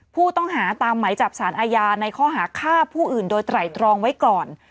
ผู้ต้องหาตามไหมจับสารอาญาในข้อหาฆ่าผู้อื่นโดยไตรตรองไว้ก่อน